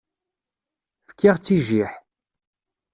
Fkiɣ-tt i jjiḥ.